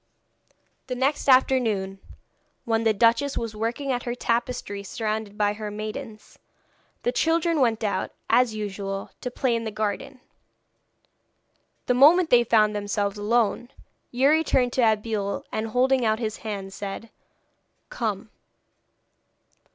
The next afternoon, when the duchess was working at her tapestry surrounded by her maidens, the children went out, as usual, to play in the garden. The moment they found themselves alone, Youri turned to Abeille, and holding out his hand, said: 'Come.'